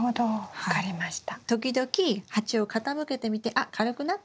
分かりました。